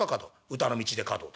「歌の道で歌道」。